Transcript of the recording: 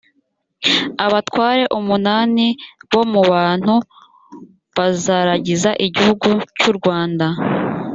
abatware umunani bo mu bantu bazaragiza igihugu cy u rwanda